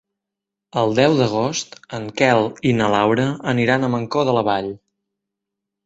El deu d'agost en Quel i na Laura aniran a Mancor de la Vall.